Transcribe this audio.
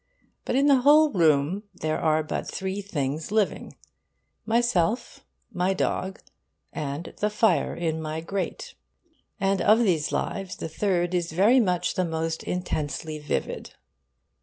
But in the whole room there are but three things living: myself, my dog, and the fire in my grate. And of these lives the third is very much the most intensely vivid.